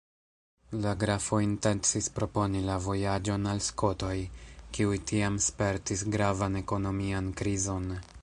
La grafo intencis proponi la vojaĝon al Skotoj, kiuj tiam spertis gravan ekonomian krizon.